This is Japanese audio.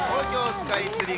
スカイツリー。